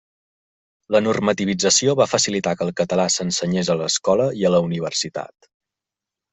La normativització va facilitar que el català s'ensenyés a l'escola i a la universitat.